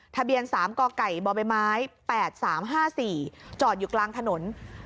ทะเบียน๓กไก่บใบไม้๘๓๕๔จอดอยู่กลางถนน